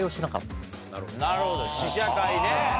なるほど試写会ね。